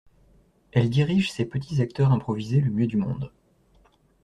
Elle dirige ses petits acteurs improvisés le mieux du monde.